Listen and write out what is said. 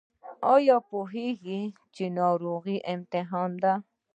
ایا پوهیږئ چې ناروغي امتحان دی؟